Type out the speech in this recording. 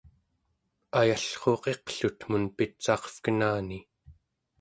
ayallruuq iqlutmun pitsaqevkenani